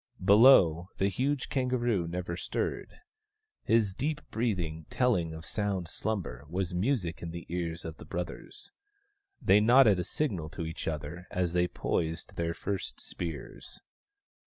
Below, the huge kangaroo never stirred. His deep breathing, telling of sound slumber, was music in the ears of the brothers. They nodded a signal to each other as they poised their first spears.